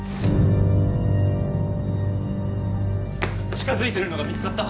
近づいてるのが見つかった？